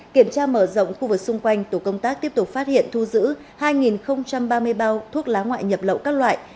kiểm tra mở rộng khu vực xung quanh tổ công tác tiếp tục phát hiện thu giữ hai ba mươi bao thuốc lá ngoại nhập lậu các loại